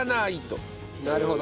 なるほど。